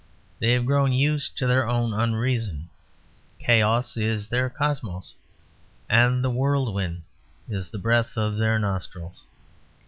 They have grown used to their own unreason; chaos is their cosmos; and the whirlwind is the breath of their nostrils.